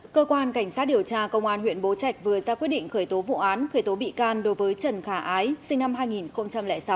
cơ quan cảnh sát điều tra công an huyện bố trạch vừa ra quyết định khởi tố vụ án khởi tố bị can đối với trần khả ái sinh năm hai nghìn sáu